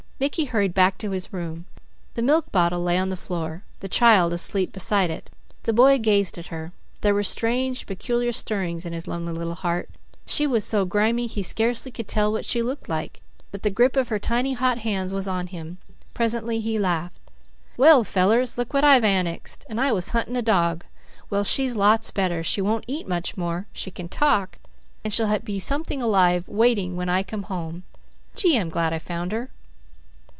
Mickey hurried back to his room. The milk bottle lay on the floor, the child asleep beside it. The boy gazed at her. There were strange and peculiar stirrings in his lonely little heart. She was so grimy he scarcely could tell what she looked like, but the grip of her tiny hot hands was on him. Presently he laughed. "Well fellers! Look what I've annexed! And I was hunting a dog! Well, she's lots better. She won't eat much more, she can talk, and she'll be something alive waiting when I come home. Gee, I'm glad I found her."